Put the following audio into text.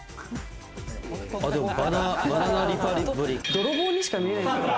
泥棒にしか見えない。